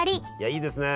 いいですね